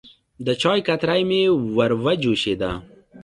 د چای کتری مې وروه جوشېده.